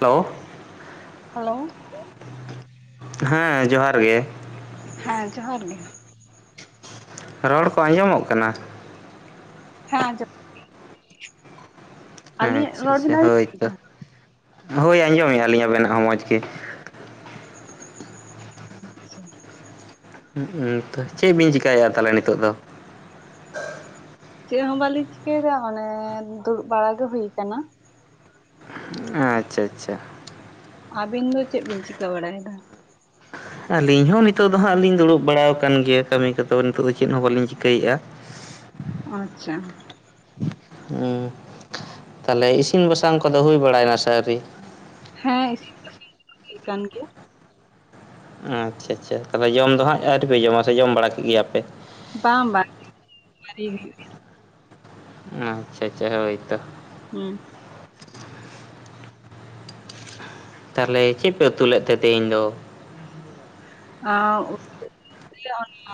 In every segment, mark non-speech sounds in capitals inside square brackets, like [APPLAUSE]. Hello. Hello [INAUDIBLE] ᱦᱮᱸ ᱡᱚᱦᱟᱨ ᱜᱮ ᱾ ᱦᱮᱸ ᱡᱚᱦᱟᱨ ᱜᱮ। ᱨᱚᱲ ᱠᱚ ᱟᱸᱡᱚᱢᱚᱜ ᱠᱟᱱᱟ? ᱦᱮᱸ ᱟᱸᱡᱚᱢᱚᱜ ᱟᱹᱞᱤᱧᱟᱜ ᱟᱪᱪᱷᱟ ᱨᱚᱲ ᱟᱪᱪᱷᱟ ᱵᱤᱱ ᱦᱳᱭ ᱟᱸᱡᱚᱢ ᱛᱚ ᱮᱫᱟ? ᱦᱳᱭ ᱟᱸᱡᱚᱢᱮᱜᱼᱟ ᱞᱤᱧ ᱟᱵᱮᱱᱟᱜ ᱦᱚᱸ ᱢᱚᱡᱽ ᱜᱮ। ᱟᱪᱷᱟ ᱦᱚᱸ ᱪᱮᱫ ᱵᱤᱱ ᱪᱮᱠᱟᱭᱟ ᱛᱟᱦᱟᱞᱮ ᱱᱤᱛᱚᱜ ᱫᱚ? ᱪᱮᱫ ᱦᱚᱸ ᱵᱟᱞᱤᱧ ᱪᱤᱠᱟᱹᱭᱮᱫᱟ ᱢᱟᱱᱮ ᱫᱩᱲᱩᱵ ᱵᱟᱲᱟ ᱜᱮ ᱦᱩᱭ ᱟᱠᱟᱱᱟ। ᱟᱪᱷᱟ-ᱟᱪᱷᱟ। ᱟᱵᱤᱱ ᱫᱚ ᱪᱮᱫ ᱵᱤᱱ ᱪᱤᱠᱟᱹ ᱵᱟᱲᱟᱭᱮᱫᱟ? ᱟᱹᱞᱤᱧ ᱦᱚᱸ ᱱᱤᱛᱚᱜ ᱫᱚ ᱦᱟᱸᱜ ᱟᱹᱞᱤᱧ ᱫᱩᱲᱩᱵ ᱵᱟᱲᱟᱣ ᱟᱠᱟᱱ ᱜᱮᱭᱟ ᱠᱟᱹᱢᱤ ᱠᱚᱫᱚ ᱱᱤᱛᱚᱜ ᱫᱚ ᱪᱮᱫ ᱦᱚᱸ ᱵᱟᱹᱞᱤᱧ ᱪᱤᱠᱟᱹᱭ ᱟ। ᱟᱪᱷᱟ ᱦᱮᱸ ᱛᱟᱞᱦᱮ ᱤᱥᱤᱱ-ᱵᱟᱥᱟᱝ ᱠᱚᱫᱚ ᱦᱩᱭ ᱵᱟᱲᱟᱭᱱᱟ ᱥᱮ ᱟᱣᱨᱤ? ᱦᱮᱸ ᱤᱥᱤᱱ-ᱵᱟᱥᱤᱱ ᱠᱟᱱ ᱜᱮᱭᱟ। ᱟᱪᱷᱟ-ᱟᱪᱷᱟ ᱛᱚᱵᱮ ᱡᱚᱢ ᱫᱚ ᱦᱟᱸᱜ ᱟᱹᱣᱨᱤᱯᱮ ᱡᱚᱢᱟ ᱥᱮ ᱡᱚᱢ ᱵᱟᱲᱟ ᱠᱮᱫ ᱜᱮᱭᱟᱯᱮ? ᱵᱟᱝ-ᱵᱟᱝ ᱟᱣᱨᱤ ᱦᱩᱭᱩᱜ-ᱟ᱾ ᱟᱪᱷᱟ-ᱟᱪᱷᱟ ᱦᱳᱭ ᱛᱚ। ᱦᱮᱸ ᱛᱟᱦᱞᱮ ᱪᱮᱫ ᱯᱮ ᱩᱛᱩ ᱞᱮᱫ ᱛᱮ ᱛᱮᱦᱮᱧ ᱫᱚ?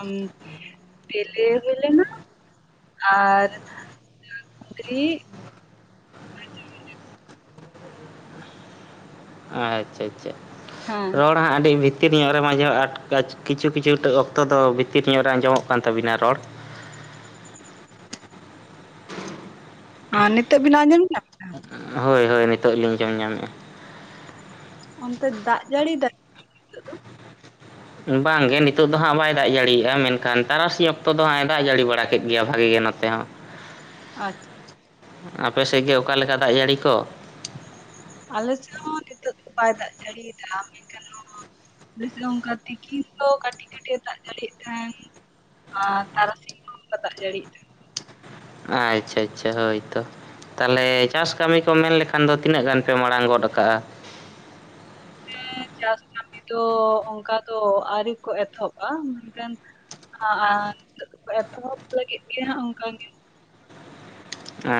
ᱟᱜ ᱵᱮᱞᱮ ᱦᱩᱭ ᱞᱮᱱᱟ। ᱟᱨ ᱠᱩᱱᱫᱽᱨᱤ ᱟᱪᱷᱟ-ᱟᱪᱷᱟ ᱦᱮᱸ ᱨᱚᱲ ᱚᱱᱟᱦᱟᱜ ᱟᱹᱰᱤ ᱵᱷᱤᱛᱤᱨ ᱧᱚᱜ ᱨᱮᱢ ᱟᱸᱡᱚᱢ ᱠᱤᱪᱷᱩ-ᱠᱤᱪᱷᱩ ᱚᱠᱛᱚ ᱫᱚ ᱵᱷᱤᱛᱤᱨ ᱧᱚᱜ ᱨᱮ ᱟᱸᱡᱚᱢᱚᱜ ᱠᱟᱱ ᱛᱟᱵᱤᱱᱟ ᱨᱚᱲ। ᱚ ᱱᱤᱛᱚᱜ ᱵᱤᱱ ᱟᱸᱡᱚᱢ ᱧᱟᱢ ᱫᱟ ᱦᱳᱭ ᱦᱳᱭ ᱱᱤᱛᱚᱜ ᱞᱤᱧ ᱟᱸᱡᱚᱢ ᱧᱟᱢᱮᱜᱼᱟ। ᱚᱱᱛᱮ ᱫᱟᱜ ᱡᱟᱹᱲᱤ ᱫᱟᱭ? ᱱᱤᱛᱚᱜ ᱫᱚ? ᱵᱟᱝᱜᱮ ᱱᱤᱛᱚᱜ ᱫᱚ ᱦᱟᱸᱜ ᱵᱟᱭ ᱫᱟᱜ ᱡᱟᱹᱲᱤᱭᱟᱜᱼᱟ ᱢᱮᱱᱠᱷᱟᱱ ᱛᱟᱨᱟᱥᱤ ᱚᱠᱛᱚ ᱫᱚ ᱦᱟᱸᱜ ᱮ ᱫᱟᱜ ᱡᱟᱹᱲᱤ ᱵᱟᱲᱟ ᱠᱮᱫ ᱜᱮᱭᱟ ᱵᱷᱟᱜᱮ ᱜᱮ ᱱᱚᱛᱮ ᱦᱚᱸ ᱟᱪᱷᱟ ᱟᱯᱮᱥᱮᱫ ᱜᱮ ᱚᱠᱟᱞᱮᱠᱟ ᱫᱟᱜ ᱡᱟᱹᱲᱤ ᱠᱚ? ᱟᱞᱮ ᱥᱮᱫ ᱦᱚᱸ ᱱᱤᱛᱚᱜ ᱫᱚ ᱵᱟᱭ ᱫᱟᱜ ᱡᱟᱹᱲᱤᱭᱮᱫᱟ ᱢᱮᱱᱠᱷᱟᱱ ᱮ ᱚᱱᱠᱟ ᱛᱤᱠᱤᱱ ᱫᱚ ᱠᱟᱹᱴᱤᱡ- ᱠᱟᱹᱴᱤᱡ ᱮ ᱫᱟᱜ ᱡᱟᱲᱤᱭᱮᱫ ᱛᱟᱦᱮᱸᱱ ᱟᱨ ᱛᱟᱨᱟᱥᱤᱧ ᱦᱚᱸ ᱫᱟᱜ ᱡᱟᱹᱲᱤᱟᱜ ᱛᱟᱦᱮᱸ ᱟᱪᱷᱟ-ᱟᱪᱷᱟ ᱦᱳᱭ ᱛᱚ ᱛᱟᱦᱚᱞᱮ ᱪᱟᱥ ᱠᱟᱹᱢᱤ ᱠᱚ ᱢᱮᱱ ᱞᱮᱠᱷᱟᱱ ᱫᱚ ᱛᱤᱱᱟᱹᱜ ᱜᱟᱱ ᱯᱮ ᱢᱟᱲᱟᱝ ᱜᱚᱫ ᱠᱟᱜᱼᱟ᱾ ᱪᱟᱥ ᱠᱟᱹᱢᱤ ᱫᱚ ᱚᱱᱠᱟ ᱫᱚ ᱟᱹᱣᱨᱤ ᱠᱚ ᱮᱛᱚᱦᱚᱵᱟ ᱢᱮᱱᱠᱷᱟᱱ ᱟᱨ ᱮᱛᱚᱦᱚᱵ ᱞᱟᱹᱜᱤᱫ ᱜᱮᱦᱟᱸᱜ ᱚᱱᱠᱟ ᱜᱮ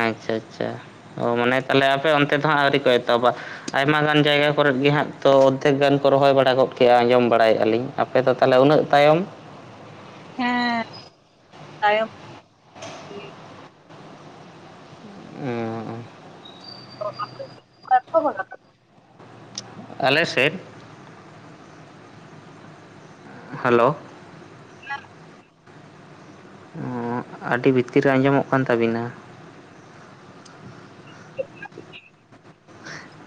ᱟᱪᱷᱟ-ᱟᱪᱷᱟ ᱚ ᱢᱟᱱᱮ ᱛᱟᱦᱚᱞᱮ ᱟᱯᱮ ᱚᱱᱛᱮ ᱫᱚᱦᱟᱸᱜ ᱟᱹᱣᱨᱤ ᱠᱚ ᱮᱛᱚᱦᱚᱵᱟ ᱟᱭᱢᱟ ᱜᱟᱱ ᱡᱟᱭᱜᱟ ᱠᱚᱨᱮᱫ ᱜᱮ ᱦᱟᱸᱜ ᱛᱚ ᱚᱫᱽᱫᱷᱮᱠ ᱜᱟᱱ ᱠᱚ ᱨᱚᱦᱚᱭ ᱵᱟᱲᱟ ᱜᱚᱫ ᱠᱮᱜᱼᱟ ᱟᱸᱡᱚᱢ ᱵᱟᱲᱟᱭᱮᱫᱼᱟᱞᱤᱧ ᱟᱯᱮ ᱫᱚ ᱛᱟᱦᱚᱞᱮ ᱩᱱᱟᱹᱜ ᱛᱟᱭᱚᱢ ᱦᱮᱸᱻ ᱛᱟᱭᱚᱢ ᱵᱟᱝ ᱟᱸᱡᱚᱢ ᱴᱷᱤᱠᱟᱹᱜ ᱠᱟᱱᱟ ᱟᱞᱮ ᱥᱮᱫ ᱦᱮᱞᱳ ᱦᱮᱸ ᱚᱸ ᱟᱹᱰᱤ ᱵᱷᱤᱛᱤᱨ ᱨᱮ ᱟᱸᱡᱚᱢᱚᱜ ᱠᱟᱱ ᱛᱟᱵᱤᱱᱟ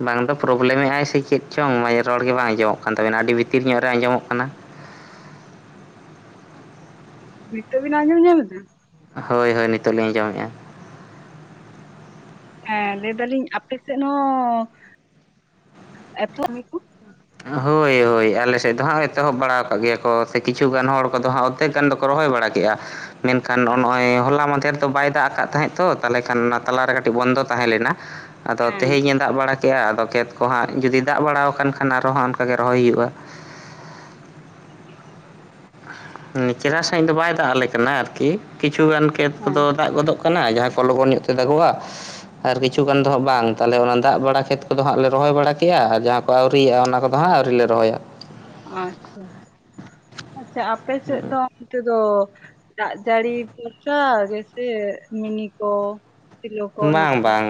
ᱵᱟᱝ ᱫᱚ ᱯᱨᱚᱵᱞᱮᱢᱮᱜ ᱟᱭ ᱥᱮ ᱪᱮᱫ ᱪᱚᱝ ᱨᱚᱲ ᱜᱮ ᱵᱟᱝ ᱟᱸᱡᱚᱢᱚᱜ ᱠᱟᱱ ᱛᱟᱵᱮᱱᱟ ᱟᱹᱰᱤ ᱵᱷᱤᱛᱤᱨ ᱧᱚᱜ ᱨᱮ ᱟᱸᱡᱚᱢᱚᱜ ᱠᱟᱱᱟ ᱱᱤᱛᱚᱜ ᱵᱮᱱ ᱟᱸᱧᱡᱚᱢ ᱧᱟᱢᱮᱫᱟ ᱦᱳᱭ ᱦᱳᱭ ᱱᱤᱛᱚᱜ ᱞᱤᱧ ᱟᱸᱡᱚᱢᱮᱫᱼᱟ᱾ ᱦᱮᱸ ᱞᱟᱹᱭ ᱫᱟᱞᱤᱧ ᱟᱯᱮ ᱥᱮᱫ ᱦᱚᱸ ᱮᱛᱚᱦᱚᱵ ᱜᱮᱠᱚ ᱦᱳᱭ-ᱦᱳᱭ ᱟᱞᱮᱥᱮᱫ ᱫᱚ ᱦᱟᱸᱜ ᱮᱛᱚᱦᱚᱵ ᱵᱟᱲᱟ ᱟᱠᱟᱫ ᱜᱮᱭᱟ ᱠᱚ ᱥᱮ ᱠᱤᱪᱷᱩᱜᱟᱱ ᱦᱚᱲ ᱠᱚᱫᱚ ᱦᱟᱸᱜ ᱯᱨᱛᱮᱠ ᱜᱟᱱ ᱫᱚᱠᱚ ᱨᱚᱦᱚᱭ ᱵᱟᱲᱟ ᱠᱮᱜᱼᱟ ᱢᱮᱱᱠᱷᱟᱱ ᱟᱪᱪᱷᱟ, ᱱᱚᱜᱼᱚᱭ ᱦᱚᱞᱟ ᱢᱟᱫᱷᱮᱨ ᱫᱚ ᱵᱟᱭ ᱫᱟᱜ ᱫ ᱠᱟᱜ ᱛᱟᱦᱮᱸᱜ ᱛᱚ ᱛᱟᱦᱚᱞᱮ ᱠᱷᱟᱱ ᱚᱱᱟ ᱛᱟᱞᱟᱨᱮ ᱠᱟᱹᱴᱤᱡ ᱵᱚᱱᱫᱚ ᱛᱟᱦᱮᱸ ᱞᱮᱱᱟ ᱟᱫᱚ ᱦᱮᱸ ᱛᱮᱦᱤᱧ ᱮ ᱫᱟᱜ ᱵᱟᱲᱟ ᱠᱼᱟ ᱟᱫᱚ ᱠᱷᱮᱛ ᱠᱚᱦᱟᱸᱜ ᱡᱩᱫᱤ ᱫᱟᱜ ᱵᱟᱲᱟᱣ ᱟᱠᱟᱱ ᱠᱷᱟᱱ ᱟᱨᱦᱚᱸ ᱦᱟᱜ ᱚᱱᱠᱟ ᱜᱮ ᱨᱚᱦᱚᱭ ᱵᱟᱲᱟ ᱦᱩᱭᱩᱜᱼᱟ᱾ ᱪᱮᱨᱦᱟ ᱥᱟᱺᱦᱤᱡ ᱫᱚ ᱵᱟᱭ ᱫᱟᱜ ᱟᱞᱮ ᱠᱟᱱᱟ ᱟᱨᱠᱤ ᱠᱤᱪᱷᱩᱜᱟᱱ ᱠᱷᱮᱛ ᱠᱚᱫᱚ ᱦᱮᱸ ᱫᱟᱜ ᱜᱚᱫᱚᱜ ᱠᱟᱱᱟ ᱠᱟᱱᱟ ᱡᱟᱦᱟᱸ ᱠᱚ ᱞᱚᱜᱚᱱ ᱧᱚᱜ ᱛᱮ ᱫᱟᱜᱚᱜ-ᱟ᱾ ᱟᱨ ᱠᱤᱪᱷᱩ ᱜᱟᱱ ᱫᱚ ᱦᱟᱸᱜ ᱵᱟᱝ ᱛᱟᱦᱞᱮ ᱚᱱᱟ ᱫᱟᱜ ᱵᱟᱲᱟ ᱠᱷᱮᱛ ᱠᱚᱫᱚ ᱦᱟᱸᱜ ᱞᱮ ᱨᱚᱦᱚᱭ ᱵᱟᱲᱟ ᱠᱮᱜᱼᱟ ᱟᱨ ᱡᱟᱦᱟᱸ ᱠᱚ ᱟᱹᱣᱨᱤ ᱭᱟᱜᱼᱟ ᱚᱱᱟ ᱠᱚᱫᱚ ᱦᱟᱸᱜ ᱟᱹᱣᱨᱤ ᱞᱮ ᱨᱚᱦᱚᱭᱟ ᱟᱪᱷᱟ-ᱟᱪᱷᱟ, ᱟᱪᱷᱟ ᱟᱯᱮ ᱥᱮᱫ ᱫᱚ ᱚᱱᱛᱮ ᱫᱚ ᱫᱟᱜ ᱡᱟᱹᱲᱤ ᱵᱚᱨᱥᱟ ᱜᱮᱥᱮ ᱢᱤᱱᱤ ᱠᱚ ᱥᱮᱞᱚ ᱠᱚ ᱚᱱᱟ ᱵᱟᱝ ᱠᱚ ᱵᱟᱝ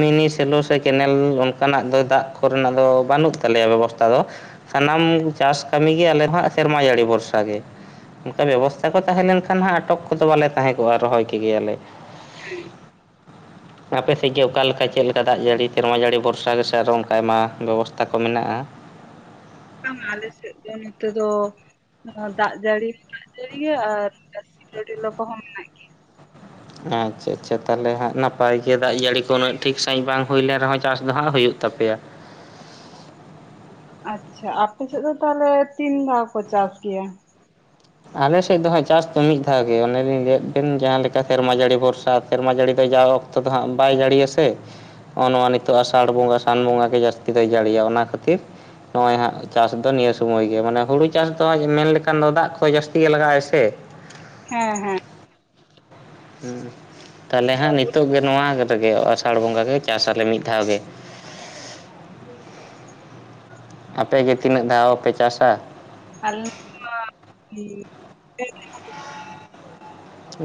ᱢᱤᱱᱤ ᱥᱮᱞᱚ ᱥᱮ ᱠᱮᱱᱮᱞ ᱚᱱᱠᱟᱱᱟᱜ ᱫᱚ ᱫᱟᱜ ᱠᱚᱨᱮᱱᱟᱜ ᱫᱚ ᱵᱟᱹᱱᱩᱜ ᱛᱟᱞᱮᱭᱟ ᱵᱮᱵᱚᱥᱛᱷᱟ ᱫᱚ ᱥᱟᱱᱟᱢ ᱪᱟᱥ ᱠᱟᱹᱢᱤᱜᱮ ᱟᱞᱮ ᱦᱟᱸᱜ ᱥᱮᱨᱢᱟ ᱡᱟᱹᱲᱤ ᱵᱷᱚᱨᱥᱟ ᱜᱮ ᱚᱱᱠᱟ ᱵᱮᱵᱚᱥᱛᱷᱟ ᱠᱚ ᱛᱟᱦᱮᱸ ᱞᱮᱱᱠᱷᱟᱱ ᱦᱟᱸᱜ ᱟᱴᱚᱠ ᱠᱚᱫᱚ ᱵᱟᱞᱮ ᱛᱟᱦᱮᱸ ᱠᱚᱜᱼᱟ ᱨᱚᱦᱚᱭ ᱠᱮᱫᱜᱮᱭᱟᱞᱮ ᱦᱮᱸ ᱟᱯᱮ ᱥᱮᱫ ᱜᱮ ᱚᱠᱟ ᱞᱮᱠᱟ ᱪᱮᱫ ᱞᱮᱠᱟ ᱫᱟᱜ ᱡᱟᱹᱲᱤ ᱥᱮᱨᱢᱟ ᱡᱟᱹᱲᱤ ᱵᱷᱚᱨᱥᱟ ᱜᱮᱥᱮ ᱟᱨ ᱚᱱᱠᱟ ᱟᱭᱢᱟ ᱵᱮᱵᱚᱥᱛᱟ ᱠᱚ ᱢᱮᱱᱟᱜᱼᱟ᱾ ᱚᱱᱠᱟ ᱢᱟ ᱟᱞᱮ ᱥᱮᱫ ᱫᱚ ᱱᱚᱛᱮ ᱫᱚ ᱫᱟᱜ ᱡᱟᱹᱲᱤ ᱦᱚᱸ ᱫᱟᱜ ᱡᱟᱹᱲᱤ ᱭᱟᱭ ᱟᱨ ᱥᱤᱨᱰᱞᱚ ᱠᱚᱦᱚᱸ ᱢᱮᱱᱟᱜ ᱜᱮᱭᱟ ᱟᱪᱷᱟ-ᱟᱪᱷᱟ ᱛᱟᱦᱚᱞᱮ ᱦᱟᱸᱜ ᱱᱟᱯᱟᱭ ᱜᱮ ᱫᱟᱜ ᱡᱟᱹᱲᱤ ᱠᱚ ᱩᱱᱟᱹᱜ ᱴᱷᱤᱠ ᱥᱟᱺᱦᱤᱡ ᱵᱟᱝ ᱦᱩᱭᱞᱮᱱ ᱨᱮᱦᱚᱸ ᱪᱟᱥ ᱫᱚ ᱦᱟᱸᱜ ᱦᱩᱭᱩᱜ ᱛᱟᱯᱮᱭᱟ ᱟᱪᱷᱟ ᱟᱯᱮᱥᱮᱫ ᱫᱚ ᱛᱟᱦᱚᱞᱮ ᱛᱤᱱ ᱫᱷᱟᱣ ᱠᱚ ᱪᱟᱥ ᱜᱮᱭᱟ ᱟᱞᱮ ᱥᱮᱫ ᱫᱚ ᱦᱟᱸᱜ ᱪᱟᱥ ᱫᱚ ᱢᱤᱫ ᱫᱷᱟᱣ ᱜᱮ ᱚᱱ ᱞᱤᱧ ᱞᱟᱹᱭᱟᱫ ᱵᱮᱱ ᱡᱟᱦᱟᱸ ᱞᱮᱠᱟ ᱥᱮᱨᱢᱟ ᱡᱟᱹᱲᱤ ᱵᱷᱚᱨᱥᱟ ᱥᱮᱨᱢᱟ ᱡᱟᱹᱲᱤ ᱫᱚ ᱡᱟᱣ ᱚᱠᱛᱚ ᱫᱚ ᱦᱟᱸᱜ ᱵᱟᱭ ᱡᱟᱹᱲᱤᱭᱟ ᱥᱮ ᱱᱚᱜᱼᱚ ᱱᱚᱣᱟ ᱱᱤᱛᱚᱜ ᱟᱥᱟᱲ ᱵᱚᱸᱜᱟ, ᱥᱟᱱ ᱵᱚᱸᱜᱟ ᱜᱮ ᱡᱟᱹᱥᱛᱤ ᱫᱚ ᱡᱟᱹᱲᱤᱭᱟ ᱚᱱᱟ ᱠᱷᱟᱹᱛᱤᱨ ᱱᱚᱜᱼᱚᱭ ᱦᱟᱸᱜ ᱪᱟᱥ ᱫᱚ ᱱᱤᱭᱟᱹ ᱥᱚᱢᱚᱭ ᱜᱮ ᱢᱟᱱᱮ ᱦᱳᱲᱳ ᱪᱟᱥ ᱫᱚ ᱦᱟᱸᱜ ᱢᱮᱱ ᱞᱮᱠᱷᱟᱱ ᱫᱚ ᱫᱟᱜ ᱠᱚ ᱡᱟᱹᱥᱛᱤ ᱜᱮ ᱞᱟᱜᱟᱜ-ᱟ ᱥᱮ ᱦᱮᱸᱻᱦᱮᱸ᱾ ᱦᱮᱸ ᱛᱟᱦᱞᱮ ᱦᱟᱸᱜ ᱱᱤᱛᱚᱜ ᱜᱮ, ᱱᱚᱣᱟ ᱨᱮᱜᱮ ᱟᱥᱟᱲ ᱵᱚᱸᱜᱟ ᱜᱮ ᱪᱟᱥ ᱟᱞᱮ ᱢᱤᱫ ᱫᱷᱟᱣ ᱜᱮ᱾ ᱟᱯᱮ ᱜᱮ ᱛᱤᱱᱟᱹᱜ ᱫᱷᱟᱣ ᱯᱮ ᱪᱟᱥᱟ? ᱟᱞᱮ ᱱᱚᱛᱮ ᱢᱟ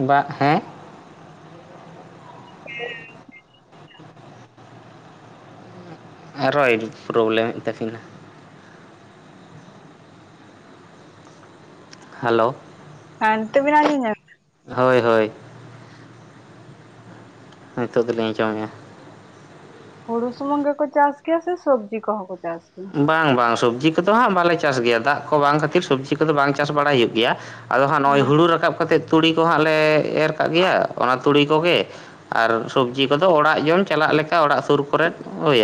ᱵᱟ ᱦᱮᱸ ᱦᱮᱸ ᱟᱨᱚᱸ ᱯᱨᱚᱵᱽᱞᱮᱢᱮᱫ ᱛᱟᱹᱠᱤᱱᱟ᱾ ᱦᱮᱞᱳ ᱦᱟᱱ ᱱᱮᱛᱚᱜ ᱵᱮᱱ ᱟᱸᱡᱚᱢᱫᱟ ᱦᱳᱭ ᱦᱳᱭ ᱱᱤᱛᱚᱜ ᱫᱚᱞᱤᱧ ᱟᱸᱡᱚᱢᱮᱫᱼᱟ᱾ ᱦᱳᱲᱳ ᱥᱩᱢᱩᱝ ᱜᱮ ᱠᱚ ᱪᱟᱥ ᱜᱮᱭᱟ ᱥᱮ ᱥᱚᱵᱽᱡᱤ ᱠᱚᱦ ᱠᱚ ᱪᱟᱥ ᱜᱮᱭᱟ? ᱵᱟᱝ-ᱵᱟᱝ ᱥᱚᱵᱽᱡᱤ ᱠᱚᱫᱚ ᱦᱟᱸᱜ ᱵᱟᱞᱮ ᱪᱟᱥ ᱜᱮᱭᱟ ᱫᱟᱜ ᱠᱚ ᱵᱟᱝ ᱠᱷᱟᱹᱛᱤᱨ ᱥᱚᱵᱽᱡᱤ ᱠᱚᱫᱚ ᱵᱟᱝ ᱪᱟᱥ ᱵᱟᱲᱟᱭ ᱦᱩᱭᱩᱜ ᱜᱮᱭᱟ᱾ ᱟᱫᱚ ᱦᱟᱸᱜ ᱱᱚᱜᱼᱚᱭ ᱦᱮᱸ ᱦᱩᱲᱩ ᱨᱟᱠᱟᱵ ᱠᱟᱛᱮᱫ ᱛᱩᱲᱤ ᱠᱚ ᱦᱟᱸᱜ ᱞᱮ ᱮᱨ ᱠᱟᱜ ᱜᱮᱭᱟ ᱚᱱᱟ ᱛᱩᱲᱤ ᱠᱚᱜᱮ᱾ ᱟᱨ ᱥᱚᱵᱽᱡᱤ ᱠᱚᱫᱚ ᱚᱲᱟᱜ ᱡᱚᱢ ᱪᱟᱞᱟᱜ ᱞᱮᱠᱟ ᱚᱲᱟᱜ ᱥᱩᱨ ᱠᱚᱨᱮᱫ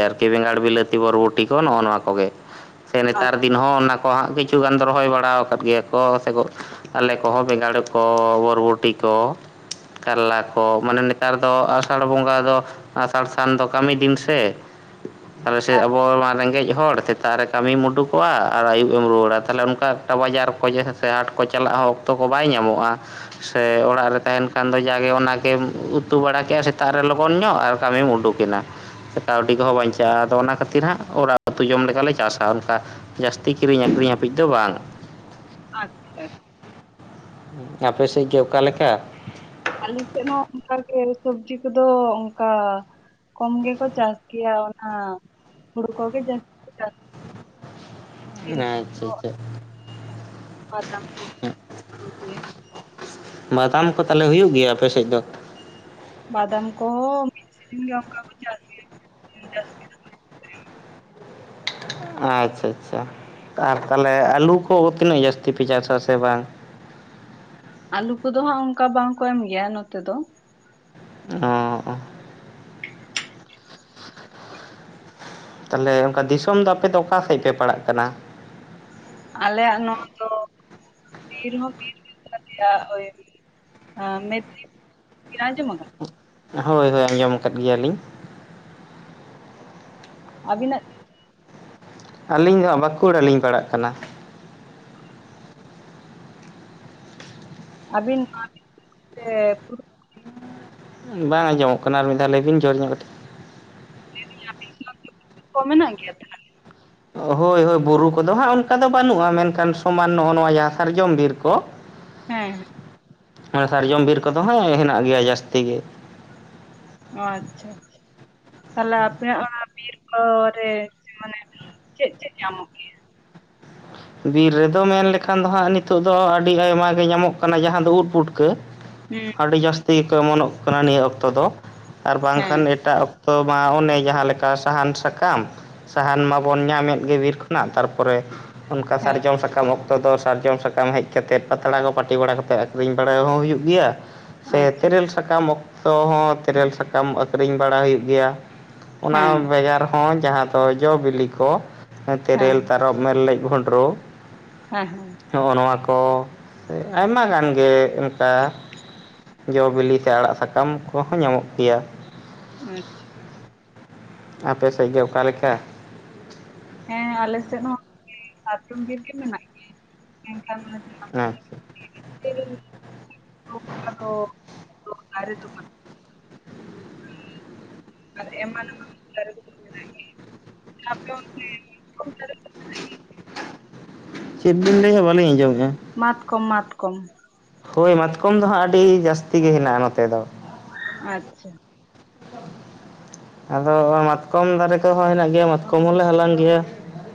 ᱟᱨᱠᱤ ᱵᱮᱸᱜᱟᱲ, ᱵᱤᱞᱟᱹᱛᱤ ᱵᱚᱨᱵᱷᱚᱴᱤ ᱠᱚ, ᱱᱚᱜᱼᱚᱭ ᱱᱚᱣᱟ ᱠᱚᱜᱮ ᱥᱮ ᱟᱪᱪᱷᱟ ᱱᱮᱛᱟᱨ ᱫᱤᱱ ᱦᱚᱸ ᱚᱱᱟ ᱠᱚ ᱦᱟᱸᱜ ᱠᱤᱪᱷᱩ ᱜᱟᱱ ᱫᱚ ᱨᱚᱦᱚᱭ ᱵᱟᱲᱟ ᱟᱠᱟᱫ ᱜᱮᱭᱟ ᱠᱚ᱾ ᱥᱮᱠᱚ ᱟᱞᱮ ᱠᱚᱦᱚᱸ ᱵᱮᱸᱜᱟᱲ ᱠᱚ ᱵᱚᱨᱵᱚᱴᱤ ᱠᱚ ᱠᱟᱨᱞᱟ ᱠᱚ, ᱢᱟᱱᱮ ᱱᱮᱛᱟᱨ ᱫᱚ ᱟᱥᱟᱲ ᱵᱚᱸᱜᱟ ᱫᱚ ᱟᱥᱟᱲ ᱥᱟᱱ ᱫᱚ ᱠᱟᱹᱢᱤ ᱫᱤᱱ ᱥᱮ ᱛᱟᱦᱞᱮ ᱥᱮ ᱟᱵᱚ ᱱᱚᱣᱟ ᱨᱮᱸᱜᱮᱡ ᱦᱚᱲ᱾ ᱥᱮᱛᱟᱜ ᱨᱮ ᱠᱟᱹᱢᱤ ᱩᱰᱩᱠᱚᱜᱼᱟ᱾ ᱟᱨ ᱟᱹᱭᱩᱵ ᱮᱢ ᱨᱩᱣᱟᱹᱲᱟ᱾ ᱛᱟᱦᱚᱞᱮ ᱚᱱᱠᱟ ᱮᱠᱴᱟ ᱵᱟᱡᱟᱨ ᱠᱚ ᱥᱮ ᱦᱟᱴ ᱠᱚ ᱪᱟᱞᱟᱜ ᱦᱚᱸ ᱚᱠᱛᱚ ᱠᱚ ᱵᱟᱭ ᱧᱟᱢᱚᱜᱼᱟ᱾ ᱥᱮ ᱚᱲᱟᱜ ᱨᱮ ᱛᱟᱦᱮᱱ ᱠᱷᱟᱱ ᱫᱚ ᱡᱟᱜᱮ ᱚᱱᱟ ᱜᱮᱢ ᱩᱛᱩ ᱵᱟᱲᱟ ᱠᱮᱜᱼᱟ, ᱥᱮᱛᱟᱜ ᱨᱮ ᱞᱚᱜᱚᱱ ᱧᱚᱜ ᱟᱨ ᱠᱟᱹᱢᱤᱢ ᱩᱰᱩᱠᱼᱟ᱾ ᱠᱟᱹᱣᱰᱤ ᱠᱚᱦᱚᱸ ᱵᱟᱧᱪᱟᱜᱼᱟ᱾ ᱟᱫᱚ ᱚᱱᱟ ᱠᱷᱟᱹᱛᱤᱨ ᱦᱟᱸᱜ ᱚᱲᱟᱜ ᱩᱛᱩ ᱡᱚᱢ ᱞᱮᱠᱟ ᱞᱮ ᱪᱟᱥᱟ᱾ ᱚᱱᱠᱟ ᱡᱟᱹᱥᱛᱤ ᱠᱤᱨᱤᱧ ᱟᱹᱠᱷᱨᱤᱧ ᱦᱟᱹᱵᱤᱡ ᱫᱚ ᱵᱟᱝ᱾ ᱟᱪᱪᱷᱟ᱾ ᱟᱯᱮ ᱥᱮᱫ ᱜᱮ ᱚᱠᱟ ᱞᱮᱠᱟ? ᱟᱞᱮ ᱥᱮᱫ ᱦᱚᱸ ᱚᱱᱠᱟ ᱜᱮ, ᱥᱚᱵᱽᱡᱤ ᱠᱚᱫᱚ ᱚᱱᱠᱟ ᱠᱚᱢ ᱜᱮᱠᱚ ᱪᱟᱥ ᱜᱮᱭᱟ᱾ ᱚᱱᱟ ᱦᱩᱲᱩ ᱠᱚᱜᱮ ᱡᱟᱹᱥᱛᱤ ᱠᱚ ᱪᱟᱥ ᱜᱮᱭᱟ, ᱟᱪᱪᱷᱟ ᱟᱪᱪᱷᱟ᱾ [UNINTELLIGIBLE] ᱵᱟᱫᱟᱢ ᱠᱚ ᱛᱟᱦᱚᱞᱮ ᱦᱩᱭᱩᱜ ᱜᱮᱭᱟ ᱟᱯᱮ ᱥᱮᱫ ᱫᱚ? ᱵᱟᱫᱟᱢ ᱠᱚ [UNINTELLIGIBLE] ᱥᱤᱡᱤᱱ ᱜᱮ ᱚᱱᱠᱟ ᱠᱚ ᱪᱟᱥ ᱜᱮᱭᱟ᱾ ᱡᱟᱹᱥᱛᱤ ᱫᱚ ᱟᱪᱪᱷᱟ, ᱟᱪᱪᱷᱟ ᱟᱨ ᱛᱟᱦᱚᱞᱮ ᱟᱹᱞᱩ ᱠᱚ ᱛᱤᱱᱟᱹᱜ ᱡᱟᱹᱥᱛᱤ ᱯᱮ ᱪᱟᱥᱟ ᱥᱮ ᱵᱟᱝ? ᱟᱞᱩ ᱠᱚᱫᱚ ᱦᱟᱸᱜ ᱚᱱᱠᱟ ᱵᱟᱝ ᱠᱚ ᱮᱢ ᱜᱮᱭᱟ ᱱᱚᱛᱮ ᱫᱚ᱾ ᱚᱻ ᱚᱸ᱾ ᱛᱟᱦᱞᱮ ᱚᱱᱠᱟ ᱫᱤᱥᱚᱢ ᱫᱚ ᱟᱯᱮ ᱫᱚ ᱚᱠᱟ ᱥᱮᱫ ᱯᱮ ᱯᱟᱲᱟᱜ ᱠᱟᱱᱟ? ᱟᱞᱮᱭᱟᱜ ᱱᱚᱣᱟ ᱫᱚ ᱵᱤᱨ ᱦᱚᱸ [UNINTELLIGIBLE] ᱜᱮ ᱛᱟᱞᱮᱭᱟ᱾ ᱢᱮ [UNINTELLIGIBLE] ᱟᱡᱚᱢ ᱟᱠᱟᱫᱟ? ᱦᱳᱭ ᱦᱳᱭ ᱟᱸᱡᱚᱢ ᱟᱠᱟᱫ ᱜᱮᱭᱟ ᱞᱤᱧ᱾ ᱟᱵᱤᱱᱟᱜ ᱟᱹᱞᱤᱧ ᱫᱚ ᱵᱟᱸᱠᱩᱲᱟ ᱞᱤᱧ ᱯᱟᱲᱟᱜ ᱠᱟᱱᱟ᱾ ᱟᱹᱵᱤᱱ [UNINTELLIGIBLE] ᱵᱟᱝ ᱟᱸᱡᱚᱢᱚᱜ ᱠᱟᱱᱟ ᱟᱨ ᱢᱤᱫ ᱫᱷᱟᱣ ᱞᱟᱹᱭ ᱵᱤᱱ ᱡᱳᱨ ᱧᱚᱜ ᱠᱟᱛᱮᱫ᱾ [UNINTELLIGIBLE] ᱠᱚ ᱢᱮᱱᱟᱜ ᱜᱮᱭᱟ ᱛᱟᱦᱞᱮ? ᱦᱳᱭ ᱦᱳᱭ ᱵᱩᱨᱩ ᱠᱚᱫᱚ ᱦᱟᱸᱜ ᱚᱱᱠᱟ ᱫᱚ ᱵᱟᱹᱱᱩᱜᱼᱟ ᱾ ᱢᱮᱱᱠᱷᱟᱱ ᱥᱚᱢᱟᱱ ᱱᱚᱜᱼᱚᱭ ᱱᱚᱣᱟ ᱡᱟᱦᱟᱸ ᱥᱟᱨᱡᱚᱢ ᱵᱤᱨ ᱠᱚ [INAUDIBLE] ᱦᱮᱸ ᱦᱮᱸᱻ ᱥᱟᱨᱡᱚᱢ ᱵᱤᱨ ᱠᱚᱫᱚ ᱦᱟᱜ ᱦᱮᱸ ᱦᱮᱱᱟᱜ ᱜᱮᱭᱟ, ᱡᱟᱹᱥᱛᱤ ᱜᱮ᱾ ᱚ ᱟᱪᱪᱷᱟ, ᱟᱪᱪᱷᱟ᱾ ᱛᱟᱦᱚᱞᱮ ᱟᱯᱮᱭᱟᱜ ᱚᱱᱟ ᱵᱤᱨ ᱠᱚᱨᱮ ᱢᱟᱱᱮ ᱪᱮᱫ ᱪᱮᱫ ᱧᱟᱢᱚᱜ ᱜᱮᱭᱟ? ᱵᱤᱨ ᱨᱮ ᱫᱚ ᱢᱮᱱ ᱞᱮᱠᱷᱟᱱ ᱫᱚ ᱦᱟᱸᱜ ᱱᱤᱛᱚᱜ ᱫᱚ ᱟᱹᱰᱤ ᱟᱭᱢᱟ ᱜᱮ ᱧᱟᱢᱚᱜ ᱠᱟᱱᱟ᱾ ᱡᱟᱦᱟᱸ ᱫᱚ ᱩᱫ ᱯᱩᱴᱠᱟᱹ ᱦᱩᱸ ᱟᱹᱰᱤ ᱡᱟᱹᱥᱛᱤ ᱜᱮᱠᱚ ᱳᱢᱚᱱᱚᱜ ᱠᱟᱱᱟ᱾ ᱱᱤᱭᱟᱹ ᱚᱠᱛᱚ ᱫᱚ ᱟᱨ ᱦᱮᱸ ᱵᱟᱝᱠᱷᱟᱱ ᱮᱴᱟᱜ ᱚᱠᱛᱚ ᱢᱟ ᱚᱱᱮ ᱡᱟᱦᱟᱸᱞᱮᱠᱟ ᱥᱟᱦᱟᱱ ᱥᱟᱠᱟᱢ ᱥᱟᱦᱟᱱ ᱢᱟᱵᱚᱱ ᱧᱟᱢᱮᱫ ᱜᱮ ᱵᱤᱨ ᱠᱷᱚᱱᱟᱜ, ᱛᱟᱨᱯᱚᱨᱮ ᱚᱱᱠᱟ ᱦᱮᱸ ᱥᱟᱨᱡᱚᱢ ᱥᱟᱠᱟᱢ ᱚᱠᱛᱚ ᱚᱠᱛᱚ ᱫᱚ ᱥᱟᱨᱡᱚᱢ ᱥᱟᱠᱟᱢ ᱦᱮᱡ ᱠᱟᱛᱮᱫ, ᱯᱟᱛᱲᱟ ᱠᱚ ᱯᱟᱹᱴᱤ ᱵᱟᱲᱟ ᱠᱟᱛᱮ ᱟᱹᱠᱷᱨᱤᱧ ᱵᱟᱲᱟ ᱦᱚᱸ ᱦᱩᱭᱩᱜ ᱜᱮᱭᱟ᱾ ᱥᱮ ᱟᱪᱪᱷᱟ ᱛᱮᱨᱮᱞ ᱥᱟᱠᱟᱢ ᱚᱠᱛᱚ ᱦᱚᱸ ᱛᱮᱨᱮᱞ ᱥᱟᱠᱟᱢ ᱟᱹᱠᱷᱨᱤᱧ ᱵᱟᱲᱟ ᱦᱩᱭᱩᱜ ᱜᱮᱭᱟ᱾ ᱚᱱᱟ ᱦᱮᱸ ᱵᱮᱜᱟᱨ ᱦᱚᱸ ᱡᱟᱦᱟᱸ ᱫᱚ ᱡᱚ ᱵᱤᱞᱤ ᱠᱚ᱾ ᱦᱮᱸ ᱛᱮᱨᱮᱞ, ᱦᱟᱨᱚᱯ, ᱢᱮᱨᱞᱮᱡ, ᱵᱷᱚᱱᱴᱨᱳ, ᱦᱮᱸ ᱦᱮᱸ᱾ ᱱᱚᱜᱼᱚ ᱱᱚᱣᱟ ᱠᱚ ᱟᱭᱢᱟ ᱜᱟᱱ ᱜᱮ ᱚᱱᱠᱟ ᱾ ᱡᱚ ᱵᱤᱞᱤ ᱥᱮ ᱟᱲᱟᱜ ᱥᱟᱠᱟᱢ ᱠᱚᱦᱚᱸ ᱧᱟᱢᱚᱜ ᱜᱮᱭᱟ ᱾ ᱟᱪᱪᱷᱟ ᱾ ᱟᱯᱮ ᱥᱮᱫ ᱜᱮ ᱚᱠᱟ ᱞᱮᱠᱟ? ᱦᱮᱸ ᱟᱞᱮ ᱥᱮᱫ ᱦᱚᱸ ᱥᱟᱨᱡᱚᱢ ᱵᱤᱨ ᱜᱮ ᱢᱮᱱᱟᱜ ᱜᱮᱭᱟ, ᱢᱮᱱᱠᱷᱟᱱ ᱚᱱᱟ ᱟᱪᱪᱷᱟ [UNINTELLIGIBLE] ᱟᱫᱚ [UNINTELLIGIBLE] ᱫᱟᱨᱮ ᱫᱚ ᱟᱨ ᱮᱢᱟᱱ ᱮᱢᱟᱱ ᱫᱟᱨᱮ ᱠᱚᱦᱚᱸ ᱢᱮᱱᱟᱜ ᱜᱮᱭᱟ᱾ ᱟᱯᱮ ᱚᱱᱛᱮ [UNINTELLIGIBLE] ᱪᱮᱫ ᱵᱤᱱ ᱞᱟᱹᱭᱮᱫᱟ ᱵᱟᱹᱞᱤᱧ ᱟᱡᱚᱢᱮᱫᱼᱟ ᱾ ᱢᱟᱛᱠᱚᱢ ᱢᱟᱛᱠᱚᱢ ᱾ ᱦᱳᱭ ᱢᱟᱛᱠᱚᱢ ᱫᱚ ᱦᱟᱸᱜ ᱟᱹᱰᱤ ᱡᱟᱹᱥᱛᱤ ᱜᱮ ᱦᱮᱱᱟᱜᱼᱟ ᱱᱚᱛᱮ ᱫᱚ ᱾ ᱟᱪᱪᱷᱟ ᱾ ᱟᱫᱚ ᱢᱟᱛᱠᱚᱢ ᱫᱟᱨᱮ ᱠᱚᱦᱚᱸ ᱦᱮᱱᱟᱜ ᱜᱮᱭᱟ, ᱢᱟᱛᱠᱚᱢ ᱦᱚᱸᱞᱮ ᱦᱟᱞᱟᱝ ᱜᱮᱭᱟ ᱾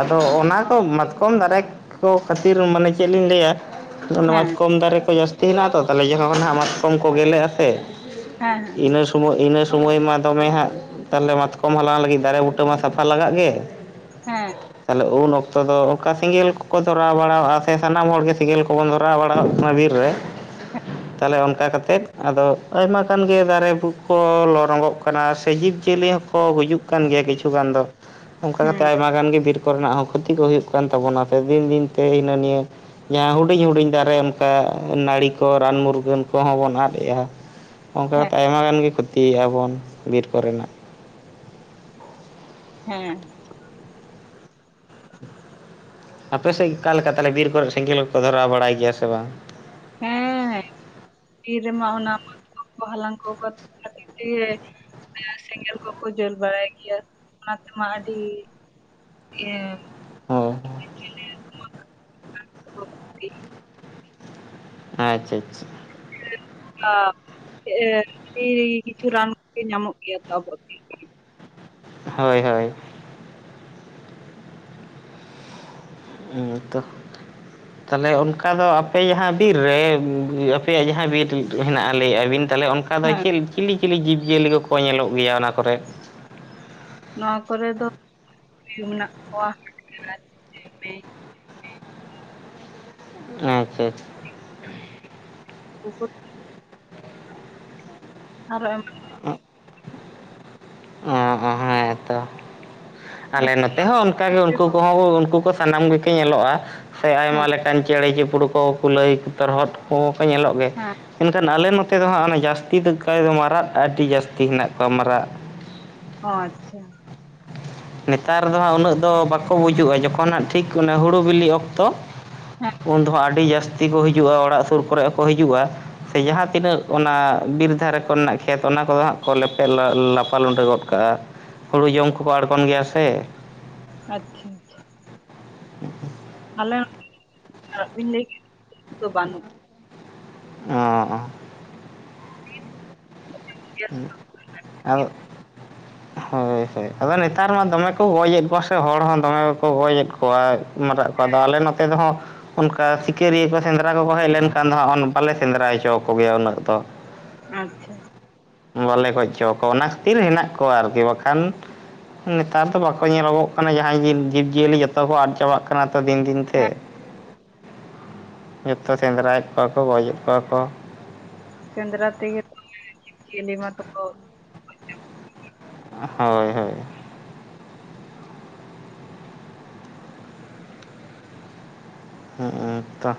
ᱟᱫᱚ ᱚᱱᱟ ᱠᱚ ᱢᱟᱛᱠᱚᱢ ᱫᱟᱨᱮ ᱠᱚ ᱠᱷᱟᱹᱛᱤᱨ ᱢᱟᱱᱮ ᱪᱮᱫ ᱞᱤᱧ ᱞᱟᱹᱭᱟ ᱦᱮᱸ ᱢᱟᱛᱠᱚᱢ ᱫᱟᱨᱮ ᱠᱚ ᱡᱟᱹᱥᱛᱤ ᱦᱮᱱᱟᱜᱼᱟ ᱛᱚ, ᱛᱟᱦᱚᱞᱮ ᱡᱚᱠᱷᱚᱱ ᱦᱟᱜ ᱢᱟᱛᱠᱚᱢ ᱠᱚ ᱜᱮᱞᱮᱜᱼᱟ ᱥᱮ ᱦᱮᱸ ᱤᱱᱟᱹ ᱥᱚᱢᱚᱭ ᱤᱱᱟᱹ ᱥᱚᱢᱚᱭ ᱢᱟ ᱫᱚᱢᱮ ᱦᱟᱸᱜ ᱛᱟᱦᱚᱞᱮ ᱢᱟᱛᱠᱚᱢ ᱦᱟᱞᱟᱝ ᱞᱟᱹᱜᱤᱫ ᱫᱟᱨᱮ ᱵᱩᱴᱟᱹ ᱢᱟ ᱥᱟᱯᱷᱟ ᱞᱟᱜᱟᱜ ᱜᱮ ᱾ ᱦᱮᱸ ᱾ ᱛᱟᱦᱚᱞᱮ ᱩᱱ ᱚᱠᱛᱚ ᱫᱚ ᱚᱱᱠᱟ ᱥᱮᱸᱜᱮᱞ ᱠᱚᱠᱚ ᱫᱷᱚᱨᱟᱣ ᱵᱟᱲᱟᱣᱟᱜᱼᱟ ᱥᱮ ᱥᱟᱱᱟᱢ ᱦᱚᱲ ᱜᱮ ᱥᱮᱸᱜᱮᱞ ᱠᱚᱵᱚᱱ ᱫᱷᱚᱨᱟᱣ ᱵᱟᱲᱟᱣᱟᱜ ᱠᱟᱱᱟ ᱵᱤᱨ ᱨᱮ ᱾ ᱛᱟᱦᱚᱞᱮ ᱚᱱᱠᱟ ᱠᱟᱛᱮᱫ ᱟᱫᱚ ᱟᱭᱢᱟ ᱜᱟᱱ ᱜᱮ ᱫᱟᱨᱮ ᱠᱚ ᱞᱚ ᱨᱚᱸᱜᱚᱜ ᱠᱟᱱᱟ ᱥᱮ ᱡᱤᱵᱽ ᱡᱤᱭᱟᱹᱞᱤ ᱦᱚᱸᱠᱚ ᱜᱩᱡᱩᱜ ᱠᱟᱱ ᱜᱮᱭᱟ ᱠᱤᱪᱷᱩ ᱜᱟᱱ ᱫᱚ, ᱚᱱᱠᱟ ᱠᱟᱛᱮ ᱦᱮᱸ ᱟᱭᱢᱟ ᱜᱟᱱ ᱜᱮ ᱵᱤᱨ ᱠᱚ ᱨᱮᱱᱟᱜ ᱦᱚᱸ ᱠᱷᱚᱛᱤ ᱠᱚ ᱦᱩᱭᱩᱜ ᱠᱟᱱ ᱛᱟᱵᱚᱱᱟ ᱛᱚ ᱫᱤᱱ ᱫᱤᱱᱛᱮ ᱦᱤᱱᱟᱹ ᱱᱤᱭᱟᱹ ᱡᱟᱦᱟᱸ ᱦᱩᱰᱤᱧ ᱦᱩᱰᱤᱧ ᱫᱟᱨᱮ ᱚᱱᱠᱟ ᱱᱟᱹᱲᱤ ᱠᱚ ᱨᱟᱱ ᱢᱩᱨᱜᱟᱹᱱ ᱠᱚᱦᱚᱸ ᱵᱚᱱ ᱟᱫᱮᱜᱼᱟ᱾ ᱚᱱᱠᱟ ᱦᱮᱸ ᱠᱟᱛᱮᱫ ᱟᱭᱢᱟ ᱜᱟᱱ ᱜᱮ ᱠᱷᱚᱛᱤᱭᱮᱫᱼᱟ ᱵᱚᱱ ᱵᱤᱨ ᱠᱚ ᱨᱮᱱᱟᱜ ᱾ ᱦᱮᱸ ᱾ ᱟᱯᱮ ᱥᱮᱫ ᱚᱠᱟ ᱞᱮᱠᱟ ᱛᱟᱦᱚᱞᱮ ᱵᱤᱨ ᱠᱚᱨᱮ ᱥᱮᱸᱜᱮᱞ ᱠᱚᱠᱚ ᱫᱷᱚᱨᱟᱣ ᱵᱟᱲᱟᱭ ᱜᱮᱭᱟ ᱥᱮ ᱵᱟᱝ? ᱦᱮᱸ ᱦᱮᱸ [INAUDIBLE] ᱵᱤᱨ ᱨᱮ ᱢᱟ ᱚᱱᱟ ᱢᱟᱛᱠᱚᱢ ᱠᱚ ᱦᱟᱞᱟᱝ ᱠᱚ ᱞᱟᱹᱜᱤᱫ ᱛᱮ ᱦᱮᱸ ᱥᱮᱸᱜᱮᱞ ᱠᱚᱠᱚ ᱡᱳᱞ ᱵᱟᱲᱟᱭ ᱜᱮᱭᱟ ᱚᱱᱟ ᱛᱮᱢᱟ ᱟᱹᱰᱤ [UNINTELLIGIBLE] ᱦᱳᱭ ᱦᱳᱭ᱾ ᱟᱪᱪᱷᱟ ᱟᱪᱪᱷᱟ᱾ [UNINTELLIGIBLE] ᱠᱤᱪᱷᱩ ᱨᱟᱱ ᱠᱚᱜᱮ ᱧᱟᱢᱚᱜ ᱜᱮᱭᱟ ᱛᱟᱵᱚᱱ ᱾ ᱦᱳᱭ ᱦᱳᱭ᱾ ᱦᱩᱸ ᱛᱚ᱾ ᱛᱟᱦᱚᱞᱮ ᱚᱱᱠᱟ ᱫᱚ ᱟᱯᱮ ᱡᱟᱦᱟᱸ ᱵᱤᱨ ᱨᱮ ᱟᱯᱮᱭᱟᱜ ᱡᱟᱦᱟᱸ ᱵᱤᱨ ᱦᱮᱱᱟᱜᱼᱟ ᱞᱟᱹᱭᱮᱫ ᱟᱹᱵᱤᱱ ᱛᱟᱦᱚᱞᱮ ᱚᱱᱠᱟ ᱟᱫᱚ ᱦᱮᱸ ᱪᱮᱫ ᱪᱤᱞᱤ ᱪᱤᱞᱤ ᱡᱤᱵᱽ ᱡᱤᱭᱟᱹᱞᱤ ᱠᱚᱠᱚ ᱧᱮᱞᱚᱜ ᱜᱮᱭᱟ ᱚᱱᱟ ᱠᱚᱨᱮ? ᱱᱚᱣᱟ ᱠᱚᱨᱮ ᱫᱚ ᱤᱭᱟᱹ ᱢᱮᱱᱟᱜ ᱠᱚᱣᱟ [UNINTELLIGIBLE] ᱟᱪᱪᱷᱟ ᱟᱪᱪᱷᱟ᱾ [UNINTELLIGIBLE] ᱟᱨ ᱦᱚᱸ ᱮᱢ [UNINTELLIGIBLE] ᱚᱸ ᱦᱚᱸ ᱦᱮᱸᱛᱚ ᱟᱞᱮ ᱱᱚᱛᱮ ᱟᱪᱪᱷᱟ ᱦᱚᱸ ᱚᱱᱠᱟ ᱜᱮ ᱩᱱᱠᱩ ᱠᱚᱦᱚᱸ ᱩᱱᱠᱩ ᱠᱚ ᱥᱟᱱᱟᱢ ᱜᱮᱠᱚ ᱧᱮᱞᱚᱜᱼᱟ ᱥᱮ ᱟᱭᱢᱟ ᱦᱮᱸ ᱞᱮᱠᱟᱱ ᱪᱮᱬᱮ ᱪᱤᱯᱲᱩ ᱠᱚ ᱠᱩᱞᱟᱹᱭ ᱛᱚᱨᱦᱚᱫ ᱠᱚᱠᱚ ᱧᱮᱞᱚᱜ ᱜᱮ ᱦᱮᱸ ᱢᱮᱱᱠᱷᱟᱱ ᱟᱞᱮ ᱱᱚᱛᱮ ᱫᱚ ᱦᱟᱸᱜ ᱚᱱᱟ ᱡᱟᱹᱥᱛᱤ ᱫᱚ ᱠᱟᱭ ᱫᱚ ᱢᱟᱨᱟᱫ ᱟᱹᱰᱤ ᱡᱟᱹᱥᱛᱤ ᱦᱮᱱᱟᱜ ᱠᱚᱣᱟ ᱢᱟᱨᱟᱫ ᱾ ᱦᱚᱸ ᱟᱪᱪᱷᱟ ᱱᱮᱛᱟᱨ ᱫᱚ ᱦᱟᱸᱜ ᱩᱱᱟᱹᱜ ᱫᱚ ᱵᱟᱠᱚ ᱵᱩᱡᱩᱜ-ᱟ ᱡᱚᱠᱷᱚᱱ ᱦᱟᱸᱜ ᱴᱷᱤᱠ ᱦᱩᱲᱩ ᱵᱤᱞᱤᱜ ᱚᱠᱛᱚᱼᱼ ᱦᱮᱸ ᱩᱱ ᱫᱚ ᱦᱟᱜ ᱟᱹᱰᱤ ᱡᱟᱹᱥᱛᱤ ᱠᱚ ᱦᱤᱡᱩᱜ-ᱟ ᱚᱲᱟᱜ ᱥᱩᱨ ᱠᱚᱨᱮᱜ ᱦᱚᱸᱠᱚ ᱦᱤᱡᱩᱜ-ᱟ᱾ ᱥᱮ ᱡᱟᱦᱟᱸ ᱛᱤᱱᱟᱹᱜ ᱚᱱᱟ ᱵᱤᱨ ᱫᱷᱟᱨᱮ ᱠᱚᱨᱮᱱᱟᱜ ᱠᱷᱮᱛ ᱚᱱᱟ ᱠᱚᱫᱚ ᱦᱟᱸᱜ ᱠᱚ ᱞᱮᱯᱮ ᱞᱟᱯᱟ ᱞᱩᱸᱰᱟᱹ ᱜᱚᱜᱼᱼ ᱠᱟᱜ-ᱟ, ᱦᱳᱲᱩ ᱡᱚᱢ ᱠᱚᱠᱚ ᱟᱬᱜᱚᱱ ᱜᱮᱭᱟ ᱥᱮᱼᱼ ᱟᱪᱪᱷᱟ-ᱟᱪᱪᱷᱟ ᱟᱞᱮ [UNINTELLIGIBLE] ᱵᱟᱱᱩᱜᱼᱼ ᱚᱸ ᱜᱮᱭᱟ ᱟᱫᱚᱜᱼᱼ ᱦᱳᱭ-ᱦᱳᱭ ᱟᱫᱚ ᱱᱮᱛᱟᱨ ᱢᱟ ᱫᱚᱢᱮ ᱠᱚ ᱜᱚᱡᱮᱫ ᱠᱚᱣᱟ ᱥᱮ ᱦᱚᱲ ᱦᱚᱸ ᱫᱚᱢᱮ ᱠᱚ ᱜᱚᱡᱮᱫ ᱠᱚᱣᱟᱼᱼ ᱢᱟᱨᱟᱜ ᱠᱚ ᱟᱫᱚ ᱟᱞᱮ ᱱᱚᱛᱮ ᱨᱮᱦᱚᱸᱼᱼ ᱚᱱᱠᱟ ᱥᱤᱠᱟᱹᱨᱤᱭᱟᱹ ᱠᱚ ᱥᱮᱸᱫᱽᱨᱟ ᱠᱚᱠᱚ ᱦᱮᱡ ᱞᱮᱱᱠᱷᱟᱱ ᱫᱚ ᱦᱟᱸᱜ ᱵᱟᱞᱮ ᱥᱮᱸᱱᱫᱽᱨᱟ ᱦᱚᱪᱚ ᱟᱠᱚ ᱜᱮᱭᱟ ᱩᱱᱟᱹᱜ ᱫᱚᱼᱼ ᱟᱪᱪᱷᱟ ᱵᱟᱞᱮ ᱜᱚᱡ ᱦᱚᱪᱚ ᱟᱠᱚᱣᱟ ᱚᱱᱟ ᱠᱷᱟᱹᱛᱤᱨ ᱦᱮᱱᱟᱜ ᱠᱚᱣᱟ ᱟᱨᱠᱤ ᱵᱟᱠᱷᱟᱱᱼᱼ ᱱᱮᱛᱟᱨ ᱫᱚ ᱵᱟᱠᱚ ᱧᱮᱞᱚ-ᱜᱚᱜ ᱠᱟᱱᱟ ᱡᱟᱦᱟᱸᱭ ᱡᱤᱵ ᱡᱤᱵᱽᱡᱤᱭᱟᱹᱞᱤ ᱡᱚᱛᱚ ᱠᱚ ᱟᱫ ᱪᱟᱵᱟᱜᱼᱼ ᱠᱟᱱᱟ ᱛᱚ ᱫᱤᱱ-ᱫᱤᱱ ᱛᱮᱼᱼ ᱦᱮᱸ ᱡᱷᱚᱛᱚ ᱥᱮᱸᱫᱽᱨᱟᱭᱮᱫ ᱠᱚᱣᱟ ᱠᱚ ᱜᱚᱡᱮᱫ ᱠᱚᱣᱟ ᱠᱚ᱾ ᱥᱮᱸᱫᱽᱨᱟ ᱛᱮᱜᱮ ᱛᱮ ᱡᱤᱵᱽ ᱡᱤᱭᱟᱹᱞᱤ ᱢᱟᱛᱚ ᱛᱚ-ᱠᱚᱼᱼ ᱦᱳᱭ-ᱦᱳᱭ ᱦᱮᱸ ᱛᱚᱦ